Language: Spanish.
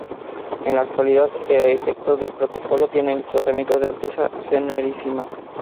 En la actualidad, a efectos de protocolo, tienen el tratamiento de Alteza Serenísima.